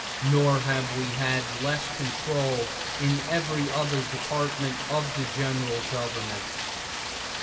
Nor have we had less control in every other department of the general government.